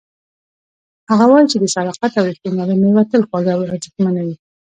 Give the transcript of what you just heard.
هغه وایي چې د صداقت او ریښتینولۍ میوه تل خوږه او ارزښتمنه وي